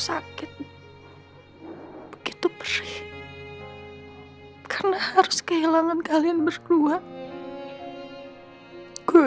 saku seratus menang wanted to marry you